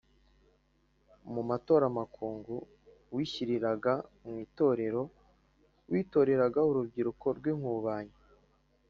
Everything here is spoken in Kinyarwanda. mutoramakungu: wishyiriraga mu itorero, witoreraga urubyiruko rw’inkubanyi